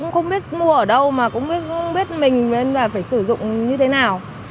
không biết mua ở đâu mà cũng không biết mình phải sử dụng như thế nào